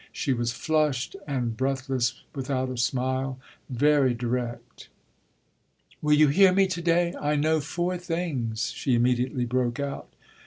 She was flushed and breathless, without a smile, very direct. "Will you hear me to day? I know four things," she immediately broke out.